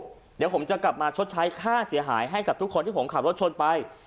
เดี๋ยวผมจะกลับมาชดใช้ค่าเสียหายให้กับทุกคนที่ผมขับรถชนไป